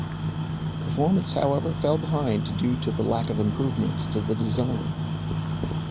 Performance, however, fell behind due to the lack of improvements to the design.